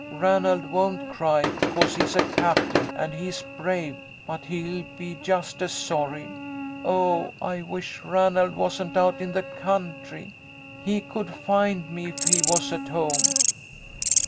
Ranald won't cry, 'cause he's a captain and he's brave. But he'll be just as sorry. Oh, I wish Ranald wasn't out in the country ! He could find me if he was at home."